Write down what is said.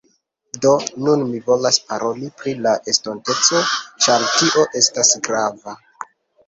Do, nun mi volas paroli pri la estonteco ĉar tio estas grava